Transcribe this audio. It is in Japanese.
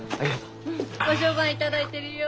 ご相伴頂いてるよ。